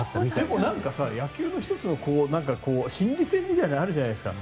でも野球の１つの心理戦みたいなのあるじゃないですか。